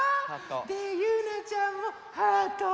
でゆうなちゃんもハート。